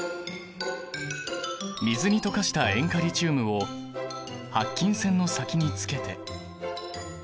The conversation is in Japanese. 水に溶かした塩化リチウムを白金線の先につけて。